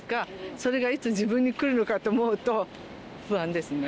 それがいつ自分に来るのかと思うと、不安ですね。